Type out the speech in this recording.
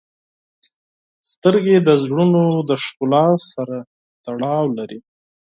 • سترګې د زړونو د ښکلا سره تړاو لري.